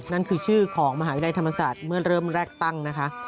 นั่นคือชื่อของมหาวิทยาลัยธรรมศาสตร์เมื่อเริ่มแรกตั้งนะคะ